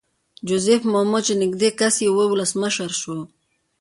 جوزیف مومو چې نږدې کس یې وو ولسمشر شو.